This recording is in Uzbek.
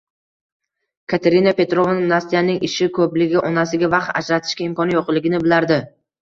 Katerina Petrovna Nastyaning ishi koʻpligi, onasiga vaqt ajratishga imkoni yoʻqligini bilardi.